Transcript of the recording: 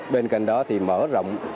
bên cạnh đó thì mở rộng